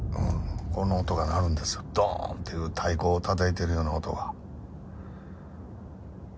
この音が鳴るんですよ、どーんっていう太鼓をたたいてるような音が。